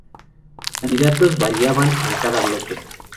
Los candidatos variaban en cada bloque.